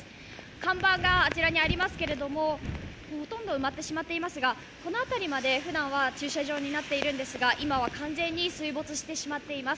看板があちらにありますが、ほとんど埋まってしまっていますが、この辺りまで、ふだんは駐車場になっているんですが、今は完全に水没してしまっています。